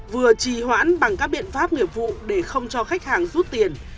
vừa trì hoãn bằng các biện pháp nghiệp vụ để không cho khách hàng rút tiền